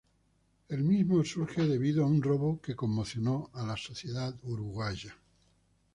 El mismo surge debido a un robo que conmocionó la sociedad uruguaya.